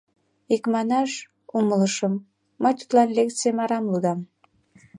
Икманаш, умылышым: мый тудлан лекцийым арам лудам.